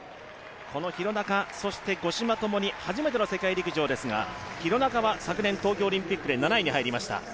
廣中、五島ともに初めての世界陸上ですが廣中は昨年、東京オリンピックで７位に入りました。